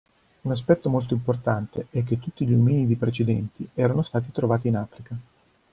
Un aspetto molto importante è che tutti gli ominidi precedenti erano stati trovati in Africa.